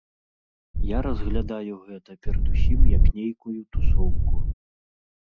Я разглядаю гэта перадусім як нейкую тусоўку.